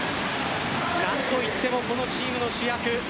何といってもこのチームの主役。